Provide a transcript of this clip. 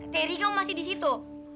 teri kamu masih disitu